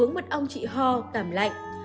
sáu uống mật ong trị ho cảm lạnh